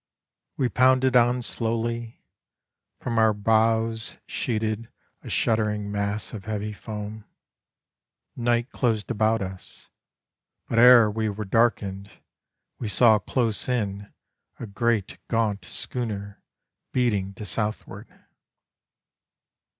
We pounded on slowly; From our bows sheeted A shuddering mass of heavy foam: Night closed about us, But ere we were darkened, We saw close in A great gaunt schooner Beating to southward.